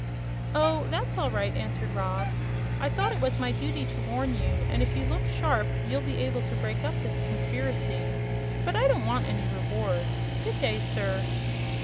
"Oh, that's all right," answered Rob. "I thought it was my duty to warn you, and if you look sharp you'll be able to break up this conspiracy. But I don't want any reward. Good day, sir."